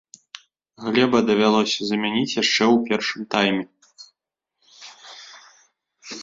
Глеба давялося замяніць яшчэ ў першым тайме.